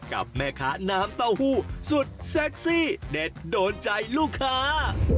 กับแม่ค้าน้ำเต้าหู้สุดเซ็กซี่เด็ดโดนใจลูกค้า